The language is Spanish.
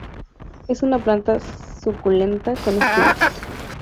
Es una planta suculenta con espinos.